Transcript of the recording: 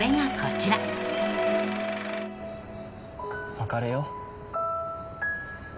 「別れよう」